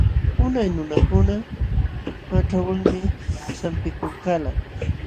Unay nunakuna haćhawanmi sampikulkalqa.